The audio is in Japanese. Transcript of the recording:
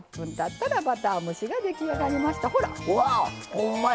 ほんまに。